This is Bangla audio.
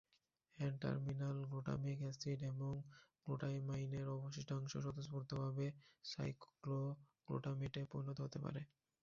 এন-টারমিনাল গ্লুটামিক অ্যাসিড এবং গ্লুটামাইনের অবশিষ্টাংশ স্বতঃস্ফূর্তভাবে সাইক্রোগ্লুটামেটে পরিণত হতে পারে।